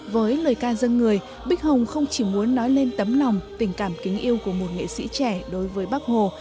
với lời ca dân người bích hồng không chỉ muốn nói lên tấm lòng tình cảm kính yêu của một nghệ sĩ trẻ đối với bác hồ